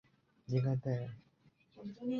以下介绍以最终回之前的设定为准。